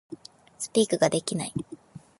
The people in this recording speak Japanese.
Speak ができない